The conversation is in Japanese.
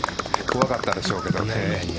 怖かったでしょうけどね。